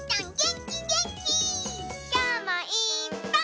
きょうもいっぱい。